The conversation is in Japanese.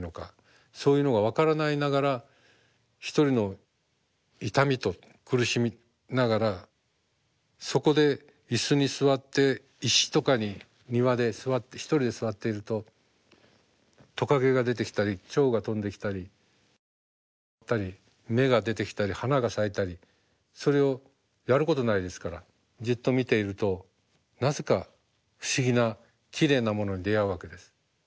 そういうのが分からないながら一人の痛みと苦しみながらそこで椅子に座って石とかに庭で座って一人で座っているとトカゲが出てきたりチョウが飛んできたり季節が変わったり芽が出てきたり花が咲いたりそれをやることないですからじっと見ているとなぜか不思議なきれいなものに出会うわけです。